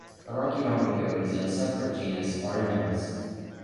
The Rocky Mountain goat is in a separate genus, "Oreamnos".